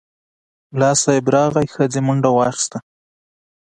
ملا صیب راغی، ښځې منډه واخیسته.